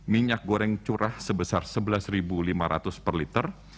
minyak goreng curah sebesar rp sebelas lima ratus per liter